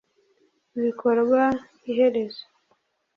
ibikorwa 'iherezo